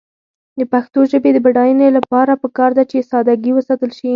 د پښتو ژبې د بډاینې لپاره پکار ده چې ساده ګي وساتل شي.